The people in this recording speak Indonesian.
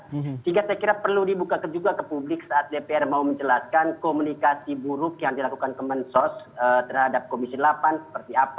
sehingga saya kira perlu dibuka juga ke publik saat dpr mau menjelaskan komunikasi buruk yang dilakukan kemensos terhadap komisi delapan seperti apa